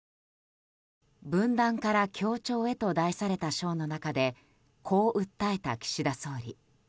「分断から協調へ」と題された章の中でこう訴えた岸田総理。